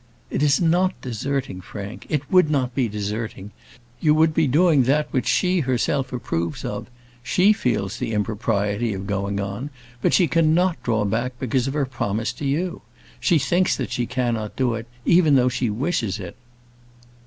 "It is not deserting, Frank: it would not be deserting: you would be doing that which she herself approves of. She feels the impropriety of going on; but she cannot draw back because of her promise to you. She thinks that she cannot do it, even though she wishes it."